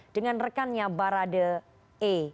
dengan rekannya barade e